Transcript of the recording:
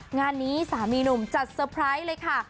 งานนี้สามีหนุ่มจัดเตอร์ไพรส์เลยค่ะ